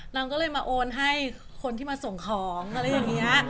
นางก็เลยมาโอนให้คนที่มาส่งของอะไรอย่างนี้